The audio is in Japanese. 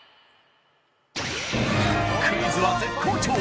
クイズは絶好調！